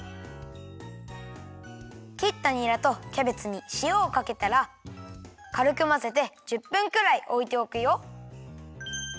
きったにらとキャベツにしおをかけたらかるくまぜて１０分くらいおいておくよ。